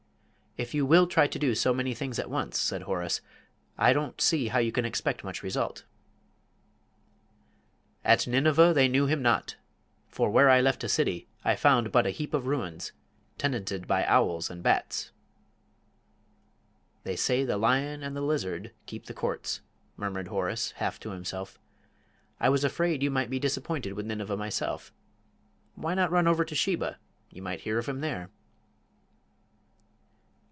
"If you will try to do so many things at once," said Horace, "I don't see how you can expect much result." "At Nineveh they knew him not for where I left a city I found but a heap of ruins, tenanted by owls and bats." "They say the lion and the lizard keep the Courts " murmured Horace, half to himself. "I was afraid you might be disappointed with Nineveh myself. Why not run over to Sheba? You might hear of him there."